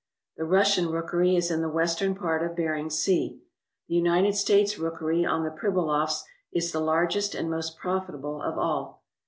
The Russian rookery is in the western part of Bering Sea. The United States rookery on the Pribilofs is the largest and most profitable of all.